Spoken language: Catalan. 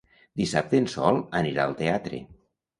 Dissabte en Sol anirà al teatre.